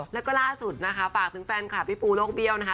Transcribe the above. แล้วก็ล่าสุดนะคะฝากถึงแฟนคลับพี่ปูโลกเบี้ยวนะคะ